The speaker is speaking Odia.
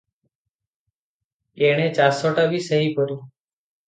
ଏଣେ ଚାଷଟା ବି ସେହିପରି ।